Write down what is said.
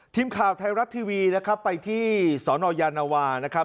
ทีมข่าวไทยรัฐทีวีนะครับไปที่สนยานวานะครับ